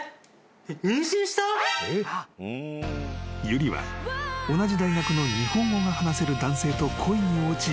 ［有理は同じ大学の日本語が話せる男性と恋に落ち］